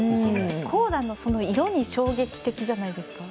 コーラの色に衝撃的じゃないですか？